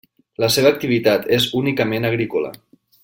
La seva activitat és únicament agrícola.